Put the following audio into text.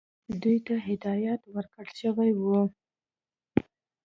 دوی ته هدایت ورکړل شوی وو.